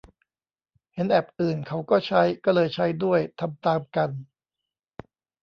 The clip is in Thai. เห็นแอปอื่นเขาก็ใช้ ก็เลยใช้ด้วย ทำตามกัน